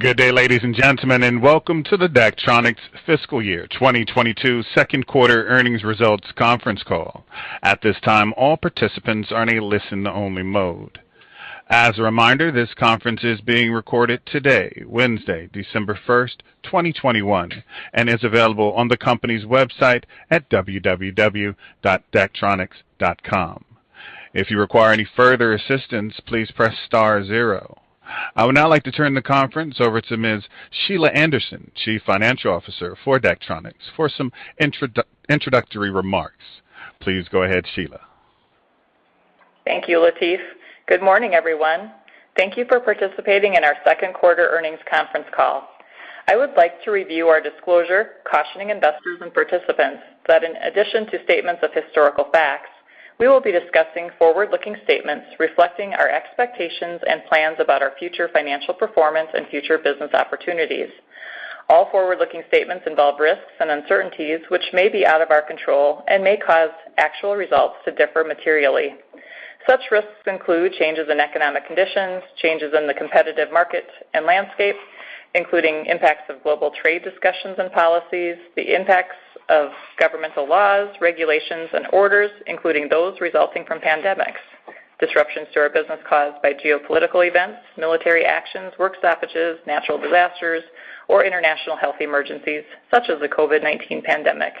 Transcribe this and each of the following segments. Good day, ladies and gentlemen, and welcome to the Daktronics Fiscal Year 2022 second quarter earnings results conference call. At this time, all participants are in a listen only mode. As a reminder, this conference is being recorded today, Wednesday, December 1st, 2021, and is available on the company's website at www.daktronics.com. If you require any further assistance, please press star zero. I would now like to turn the conference over to Ms. Sheila Anderson, Chief Financial Officer for Daktronics, for some introductory remarks. Please go ahead, Sheila. Thank you, Latif. Good morning, everyone. Thank you for participating in our second quarter earnings conference call. I would like to review our disclosure cautioning investors and participants that in addition to statements of historical facts, we will be discussing forward-looking statements reflecting our expectations and plans about our future financial performance and future business opportunities. All forward-looking statements involve risks and uncertainties which may be out of our control and may cause actual results to differ materially. Such risks include changes in economic conditions, changes in the competitive market and landscape, including impacts of global trade discussions and policies, the impacts of governmental laws, regulations and orders, including those resulting from pandemics, disruptions to our business caused by geopolitical events, military actions, work stoppages, natural disasters, or international health emergencies, such as the COVID-19 pandemic,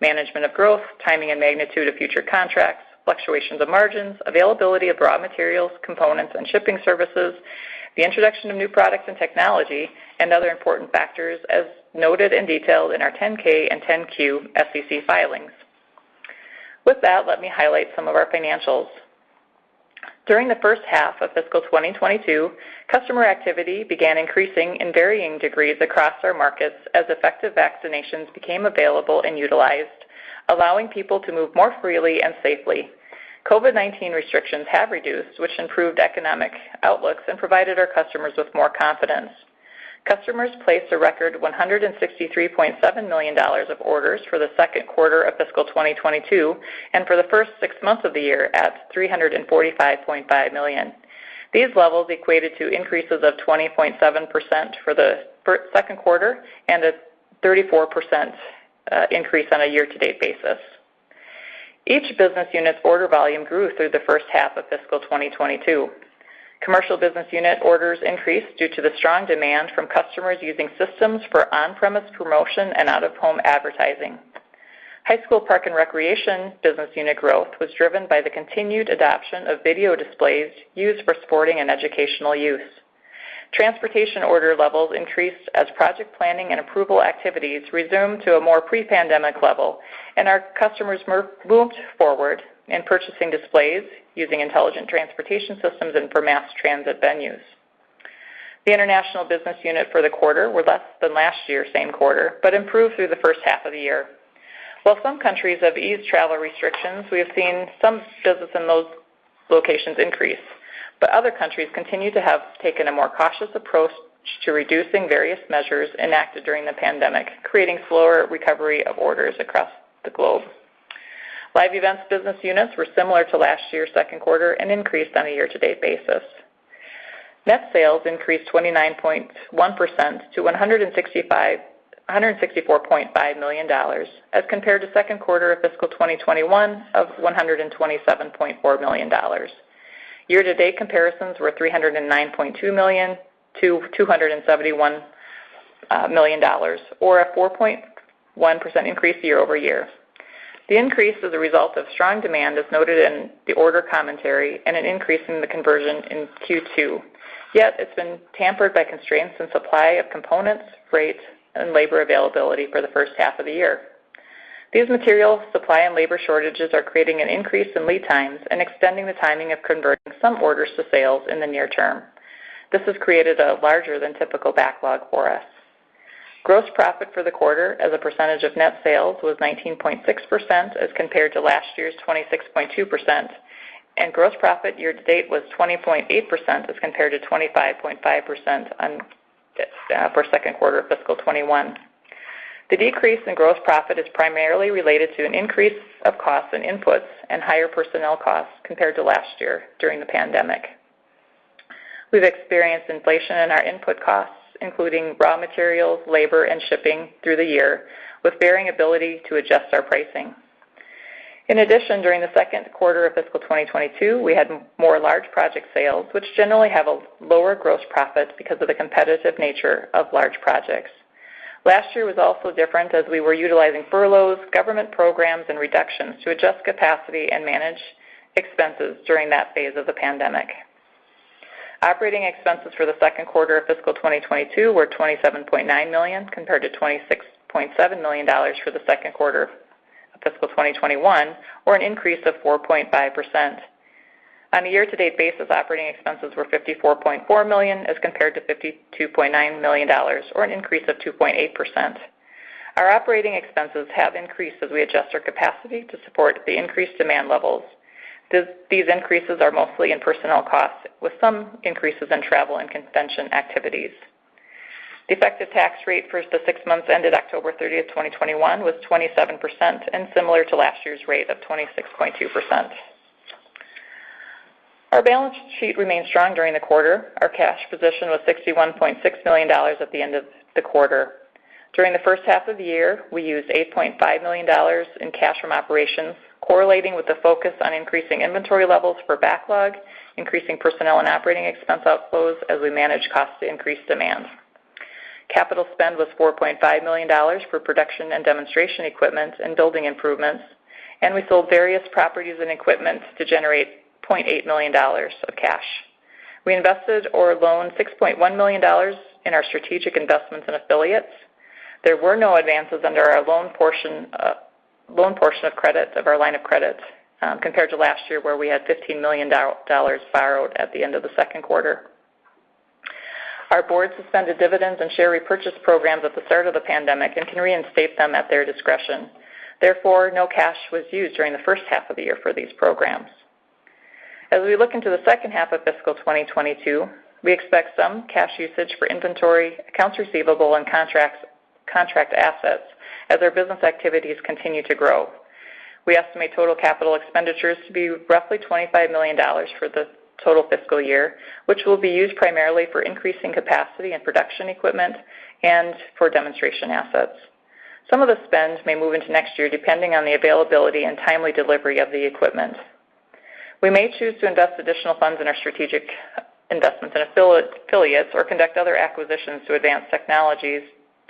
management of growth, timing and magnitude of future contracts, fluctuations of margins, availability of raw materials, components and shipping services, the introduction of new products and technology, and other important factors as noted and detailed in our 10-K and 10-Q SEC filings. With that, let me highlight some of our financials. During the first half of fiscal 2022, customer activity began increasing in varying degrees across our markets as effective vaccinations became available and utilized, allowing people to move more freely and safely. COVID-19 restrictions have reduced, which improved economic outlooks and provided our customers with more confidence. Customers placed a record $163.7 million of orders for the second quarter of fiscal 2022, and for the first six months of the year at $345.5 million. These levels equated to increases of 20.7% for the second quarter and a 34% increase on a year-to-date basis. Each business unit's order volume grew through the first half of fiscal 2022. Commercial business unit orders increased due to the strong demand from customers using systems for on-premise promotion and out-of-home advertising. High school park and recreation business unit growth was driven by the continued adoption of video displays used for sporting and educational use. Transportation order levels increased as project planning and approval activities resumed to a more pre-pandemic level, and our customers moved forward in purchasing displays using intelligent transportation systems and for mass transit venues. The international business unit for the quarter were less than last year same quarter, but improved through the first half of the year. While some countries have eased travel restrictions, we have seen some business in those locations increase. Other countries continue to have taken a more cautious approach to reducing various measures enacted during the pandemic, creating slower recovery of orders across the globe. Live events business units were similar to last year's second quarter and increased on a year-to-date basis. Net sales increased 29.1% to $164.5 million as compared to second quarter of fiscal 2021 of $127.4 million. Year-to-date comparisons were $309.2 million- $271 million, or a 4.1% increase year-over-year. The increase is a result of strong demand, as noted in the order commentary, and an increase in the conversion in Q2. Yet it's been tempered by constraints in supply of components, freight, and labor availability for the first half of the year. These material supply and labor shortages are creating an increase in lead times and extending the timing of converting some orders to sales in the near term. This has created a larger than typical backlog for us. Gross profit for the quarter as a percentage of net sales was 19.6% as compared to last year's 26.2%, and gross profit year to date was 20.8% as compared to 25.5% for second quarter of fiscal 2021. The decrease in gross profit is primarily related to an increase of costs and inputs and higher personnel costs compared to last year during the pandemic. We've experienced inflation in our input costs, including raw materials, labor, and shipping through the year with varying ability to adjust our pricing. In addition, during the second quarter of fiscal 2022, we had more large project sales, which generally have a lower gross profit because of the competitive nature of large projects. Last year was also different as we were utilizing furloughs, government programs, and reductions to adjust capacity and manage expenses during that phase of the pandemic. Operating expenses for the second quarter of fiscal 2022 were $27.9 million compared to $26.7 million for the second quarter of fiscal 2021, or an increase of 4.5%. On a year to date basis, operating expenses were $54.4 million as compared to $52.9 million, or an increase of 2.8%. Our operating expenses have increased as we adjust our capacity to support the increased demand levels. These increases are mostly in personnel costs with some increases in travel and convention activities. The effective tax rate for the six months ended October 30, 2021 was 27% and similar to last year's rate of 26.2%. Our balance sheet remained strong during the quarter. Our cash position was $61.6 million at the end of the quarter. During the first half of the year, we used $8.5 million in cash from operations correlating with the focus on increasing inventory levels for backlog, increasing personnel and operating expense outflows as we manage costs to increase demand. Capital spend was $4.5 million for production and demonstration equipment and building improvements, and we sold various properties and equipment to generate $0.8 million of cash. We invested or loaned $6.1 million in our strategic investments and affiliates. There were no advances under our loan portion of credits of our line of credits, compared to last year where we had $15 million borrowed at the end of the second quarter. Our board suspended dividends and share repurchase programs at the start of the pandemic and can reinstate them at their discretion. Therefore, no cash was used during the first half of the year for these programs. As we look into the second half of fiscal 2022, we expect some cash usage for inventory, accounts receivable, and contracts, contract assets as our business activities continue to grow. We estimate total capital expenditures to be roughly $25 million for the total fiscal year, which will be used primarily for increasing capacity and production equipment and for demonstration assets. Some of the spend may move into next year depending on the availability and timely delivery of the equipment. We may choose to invest additional funds in our strategic investments and affiliates or conduct other acquisitions to advance technologies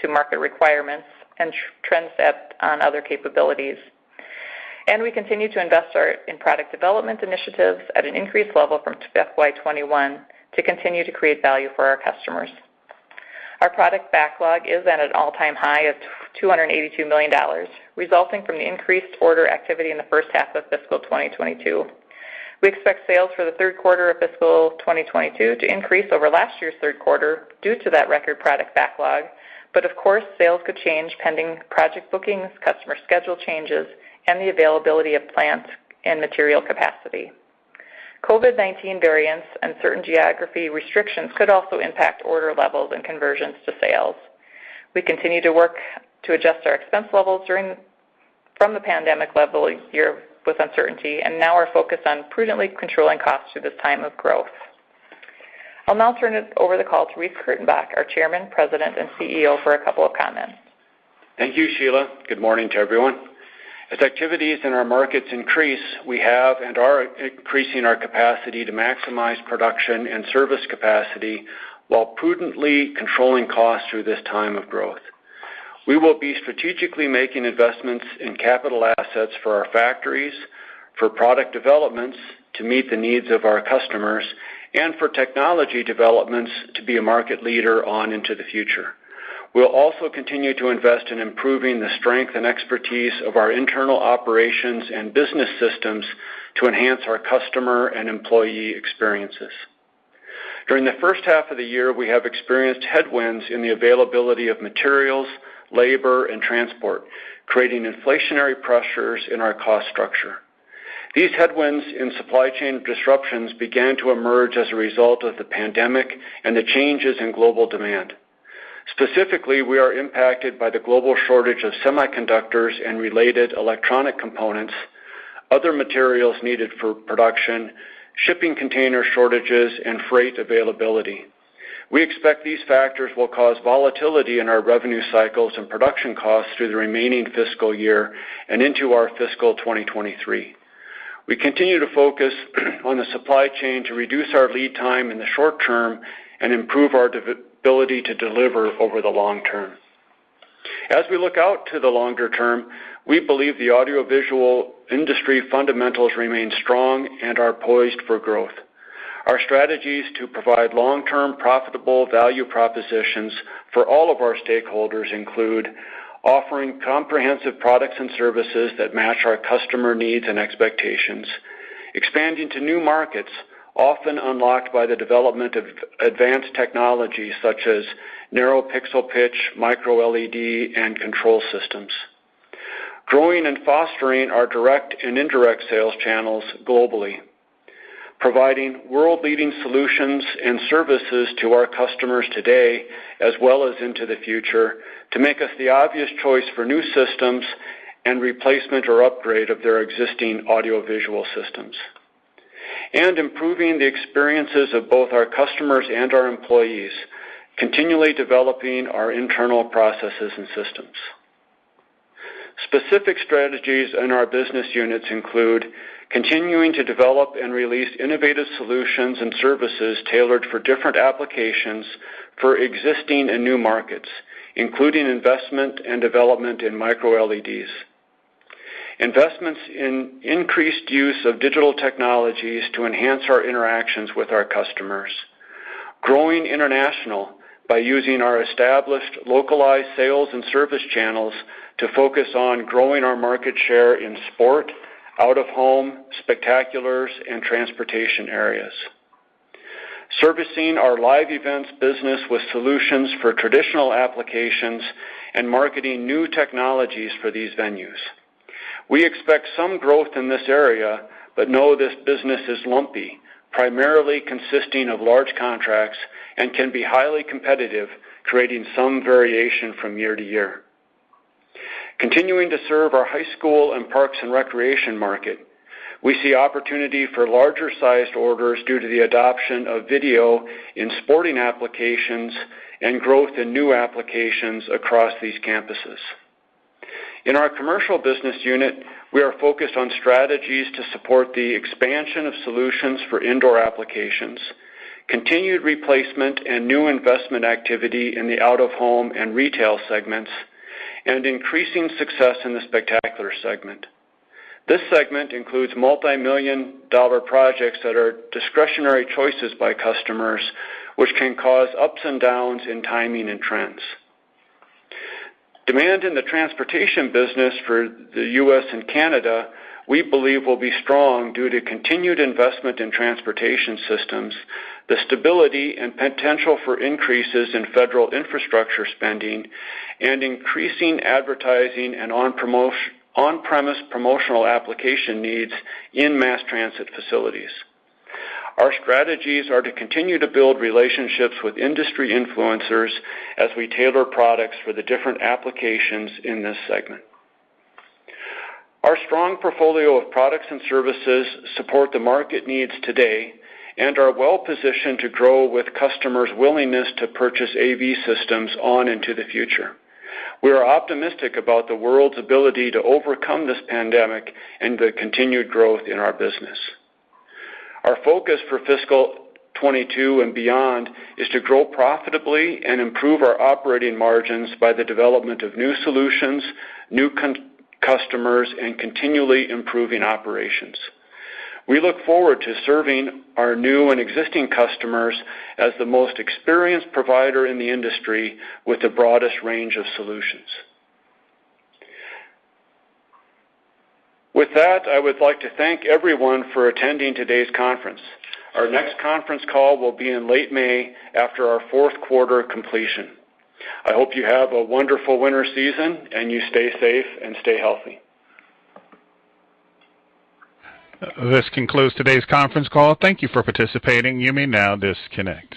to market requirements and trend set on other capabilities. We continue to invest in product development initiatives at an increased level from FY 2021 to continue to create value for our customers. Our product backlog is at an all-time high of $282 million, resulting from the increased order activity in the first half of fiscal 2022. We expect sales for the third quarter of fiscal 2022 to increase over last year's third quarter due to that record product backlog, but of course, sales could change pending project bookings, customer schedule changes, and the availability of plants and material capacity. COVID-19 variants and certain geographic restrictions could also impact order levels and conversions to sales. We continue to work to adjust our expense levels from the pandemic level year with uncertainty and now are focused on prudently controlling costs through this time of growth. I'll now turn the call over to Reece Kurtenbach, our Chairman, President, and CEO, for a couple of comments. Thank you, Sheila. Good morning to everyone. As activities in our markets increase, we have and are increasing our capacity to maximize production and service capacity while prudently controlling costs through this time of growth. We will be strategically making investments in capital assets for our factories, for product developments to meet the needs of our customers, and for technology developments to be a market leader on into the future. We'll also continue to invest in improving the strength and expertise of our internal operations and business systems to enhance our customer and employee experiences. During the first half of the year, we have experienced headwinds in the availability of materials, labor, and transport, creating inflationary pressures in our cost structure. These headwinds in supply chain disruptions began to emerge as a result of the pandemic and the changes in global demand. Specifically, we are impacted by the global shortage of semiconductors and related electronic components, other materials needed for production, shipping container shortages, and freight availability. We expect these factors will cause volatility in our revenue cycles and production costs through the remaining fiscal year and into our fiscal 2023. We continue to focus on the supply chain to reduce our lead time in the short term and improve our reliability to deliver over the long term. As we look out to the longer term, we believe the audiovisual industry fundamentals remain strong and are poised for growth. Our strategies to provide long-term, profitable value propositions for all of our stakeholders include offering comprehensive products and services that match our customer needs and expectations, expanding to new markets, often unlocked by the development of advanced technologies such as narrow pixel pitch, microLED, and control systems. Growing and fostering our direct and indirect sales channels globally, providing world-leading solutions and services to our customers today as well as into the future to make us the obvious choice for new systems and replacement or upgrade of their existing audiovisual systems, and improving the experiences of both our customers and our employees, continually developing our internal processes and systems. Specific strategies in our business units include continuing to develop and release innovative solutions and services tailored for different applications for existing and new markets, including investment and development in microLEDs. Investments in increased use of digital technologies to enhance our interactions with our customers. Growing international by using our established localized sales and service channels to focus on growing our market share in sport, out-of-home, spectaculars, and transportation areas. Servicing our live events business with solutions for traditional applications and marketing new technologies for these venues. We expect some growth in this area, but know this business is lumpy, primarily consisting of large contracts and can be highly competitive, creating some variation from year to year. Continuing to serve our high school and parks and recreation market, we see opportunity for larger sized orders due to the adoption of video in sporting applications and growth in new applications across these campuses. In our commercial business unit, we are focused on strategies to support the expansion of solutions for indoor applications, continued replacement and new investment activity in the out-of-home and retail segments, and increasing success in the spectacular segment. This segment includes multimillion-dollar projects that are discretionary choices by customers, which can cause ups and downs in timing and trends. Demand in the transportation business for the U.S. and Canada, we believe, will be strong due to continued investment in transportation systems, the stability and potential for increases in federal infrastructure spending, and increasing advertising and on-premise promotional application needs in mass transit facilities. Our strategies are to continue to build relationships with industry influencers as we tailor products for the different applications in this segment. Our strong portfolio of products and services support the market needs today and are well-positioned to grow with customers' willingness to purchase AV systems on into the future. We are optimistic about the world's ability to overcome this pandemic and the continued growth in our business. Our focus for FY 2022 and beyond is to grow profitably and improve our operating margins by the development of new solutions, new customers, and continually improving operations. We look forward to serving our new and existing customers as the most experienced provider in the industry with the broadest range of solutions. With that, I would like to thank everyone for attending today's conference. Our next conference call will be in late May after our fourth quarter completion. I hope you have a wonderful winter season, and you stay safe and stay healthy. This concludes today's conference call. Thank you for participating. You may now disconnect.